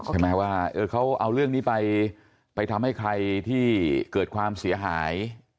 ใช่ไหมว่าเขาเอาเรื่องนี้ไปทำให้ใครที่เกิดความเสียหาย